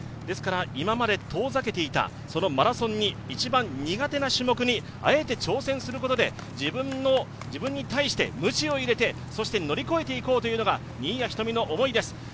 ですから今まで遠ざけていたマラソンに一番、苦手な種目にあえて挑戦することで自分に対してムチを入れて乗り越えていこうというのが新谷仁美の思いです。